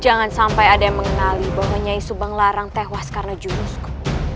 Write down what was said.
jangan sampai ada yang mengenali bahwa nyesu banglarang tewas karena jurusku